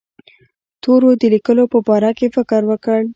تورو د لیکلو په باره کې فکر وکړ.